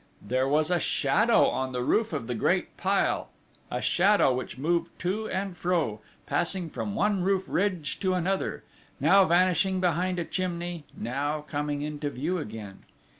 There was a shadow on the roof of the great pile, a shadow which moved to and fro, passing from one roof ridge to another, now vanishing behind a chimney, now coming into view again.